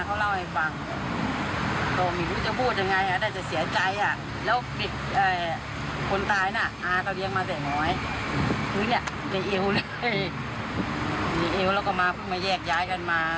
จนต่างคนต่างมีข้อพูด